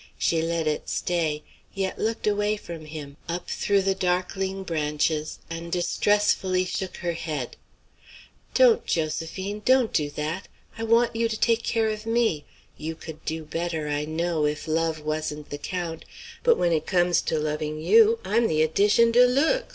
She let it stay, yet looked away from him, up through the darkling branches, and distressfully shook her head. "Don't, Josephine! don't do that. I want you to take care of me. You could do better, I know, if love wasn't the count; but when it comes to loving you, I'm the edition deloox!